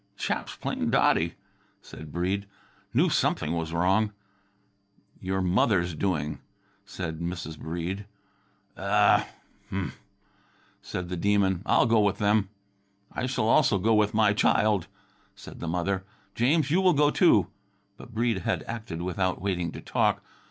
"Chap's plain dotty," said Breede. "Knew something was wrong." "Your mother's doing," said Mrs. Breede. "U u u mm!" said the Demon. "I'll go with them." "I shall also go with my child," said the mother. "James, you will go too." But Breede had acted without waiting to talk.